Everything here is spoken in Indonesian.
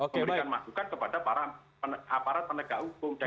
memberikan masukan kepada para aparat penegak hukum